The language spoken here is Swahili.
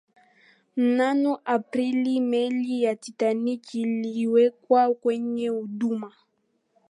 mnamo aprili meli ya titanic iliwekwa kwenye huduma